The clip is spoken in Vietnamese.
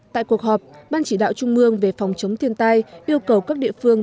tại cuộc họp ban chỉ đạo trung mương về phòng chống thiên tai yêu cầu các địa phương